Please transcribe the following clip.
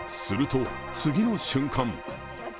すると、次の瞬間！